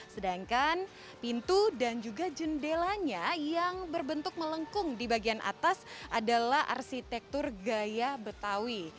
sedangkan pintu dan juga jendelanya yang berbentuk melengkung di bagian atas adalah arsitektur gaya betawi